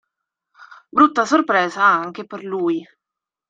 Brutta sorpresa anche per lui.